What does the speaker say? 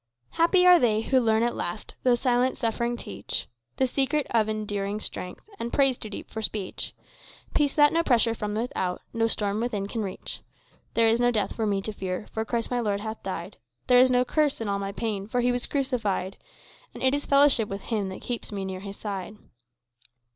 "Happy are they who learn at last, Though silent suffering teach The secret of enduring strength, And praise too deep for speech, Peace that no pressure from without, No storm within can reach. "There is no death for me to fear, For Christ my Lord hath died; There is no curse in all my pain, For he was crucified; And it is fellowship with him That keeps me near his side."